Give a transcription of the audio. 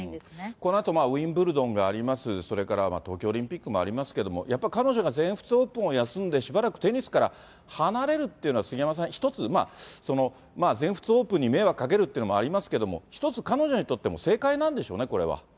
このあとウィンブルドンがあります、それから東京オリンピックもありますけども、やっぱり、彼女が全仏オープンを休んで、しばらくテニスから離れるっていうのは、杉山さん、一つ、全仏オープンに迷惑をかけるっていうのもありますけれども、一つ彼女にとっても正解なんでしょうね、これは。